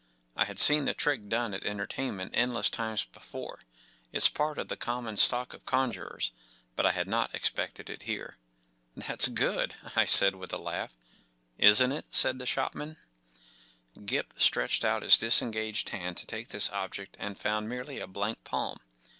I had seen the trick done at entertainments endless times before—it's part of the common stock of conjurers—but I had not expected it here. “That’s good,” 1 said, with a laugh. 14 Isn't it? n said the shopman, Gip stretched out his disengaged hand to take this object and found merely a blank palm.